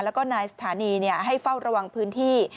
แล้วก็นายสถานีให้เฝ้าระวังพื้นที่